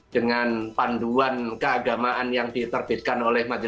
dengan panduan keagamaan yang diterbitkan oleh majelis